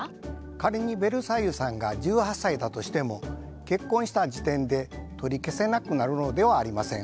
仮にベルサイユさんが１８歳だとしても結婚した時点で取り消せなくなるのではありません。